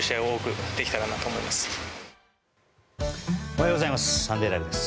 おはようございます。